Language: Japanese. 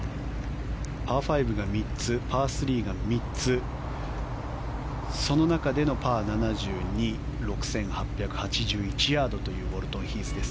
パー５が３つパー３が３つその中でのパー７２６８８１ヤードというウォルトンヒースです。